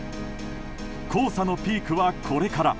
黄砂のピークはこれから。